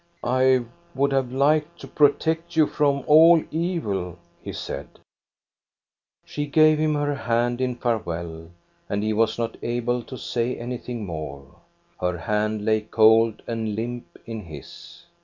" I would have liked to protect you from all evil/' he said. She gave him her hand in farewell, and he was not able to say anything more. Her hand lay cold and limp in his.